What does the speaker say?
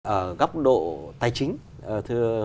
ở góc độ tài chính